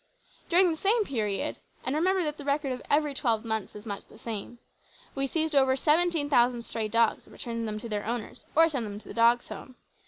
During the same period, (and remember that the record of every twelve months is much the same), we seized over 17,000 stray dogs and returned them to their owners or sent them to the Dogs' Home.